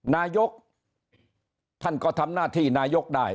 นายกท่านก็ทำหน้าที่นายกได้